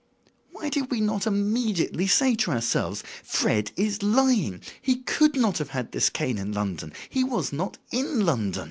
Why did we not immediately say to ourselves: 'Fred is lying. He could not have had this cane in London. He was not in London.